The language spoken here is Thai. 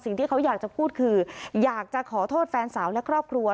สิ่งที่เขาอยากจะพูดคืออยากจะขอโทษแฟนสาวและครอบครัว